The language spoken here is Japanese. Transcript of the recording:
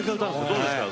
どうですか？